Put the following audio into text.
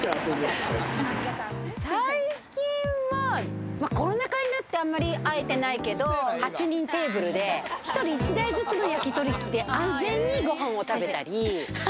最近は、コロナ禍になって会えてないけど、８人テーブルで１人１台ずつの焼き鳥機で安全にごはんを食べたり。